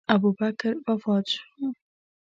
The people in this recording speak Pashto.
ابوبکر وفات شو.